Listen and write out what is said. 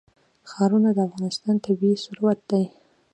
ښارونه د افغانستان طبعي ثروت دی.